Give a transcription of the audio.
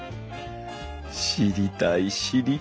知りたい知りたい！